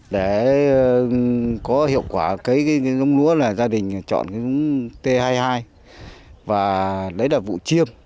để có hiệu quả cái giống lúa là gia đình chọn cái giống t hai mươi hai và đấy là vụ chiêm